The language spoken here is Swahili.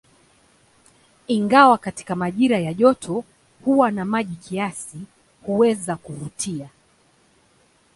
Ingawa katika majira ya joto huwa na maji kiasi, huweza kuvutia.